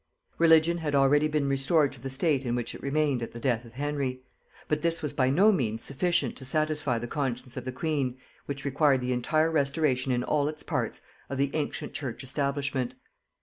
Religion had already been restored to the state in which it remained at the death of Henry; but this was by no means sufficient to satisfy the conscience of the queen, which required the entire restoration in all its parts, of the ancient church establishment.